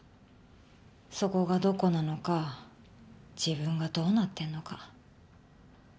そこがどこなのか自分がどうなってるのか。